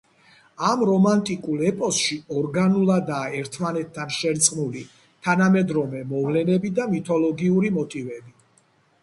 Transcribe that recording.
ამ რომანტიკულ ეპოსში ორგანულადაა ერთმანეთთან შერწყმული თანამედროვე მოვლენები და მითოლოგიური მოტივები.